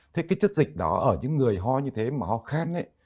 thế cái chất dịch đó ở những người ho như thế mà ho khác ấy